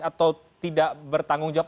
atau tidak bertanggung jawab